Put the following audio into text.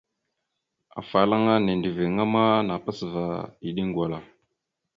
Afalaŋa nindəviŋáma napas va eɗe gwala lele.